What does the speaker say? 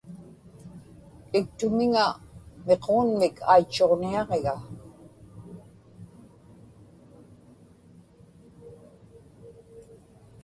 iktumiŋa miquunmik aitchuġniaġiga